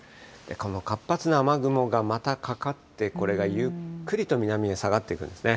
この活発な雨雲がまたかかって、これがゆっくりと南へ下がってくるんですね。